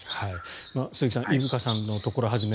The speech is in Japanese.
鈴木さん伊深さんのところをはじめ